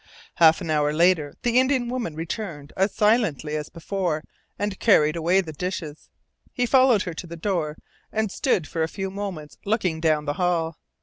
Half an hour later the Indian woman returned as silently as before and carried away the dishes. He followed her to the door and stood for a few moments looking down the hall.